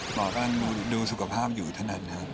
หมอกำลังดูสุขภาพอยู่เท่านั้นครับ